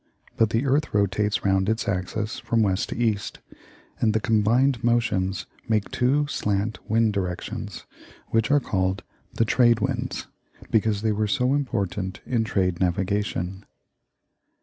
But the earth rotates round its axis from west to east, and the combined motions make two slant wind directions, which are called the "trade winds," because they were so important in trade navigation.